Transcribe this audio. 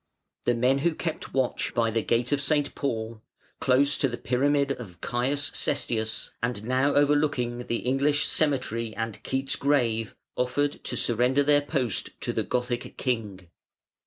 The men who kept watch by the Gate of St. Paul (close to the Pyramid of C. Sestius, and now overlooking the English Cemetery and Keats' grave) offered to surrender their post to the Gothic king.